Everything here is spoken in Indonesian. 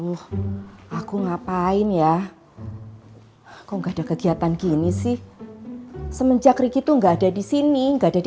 oh aku ngapain ya kok enggak ada kegiatan gini sih semenjak ricky tuh nggak ada di sini enggak ada di